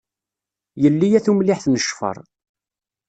Yelli a tumliḥt n ccfer.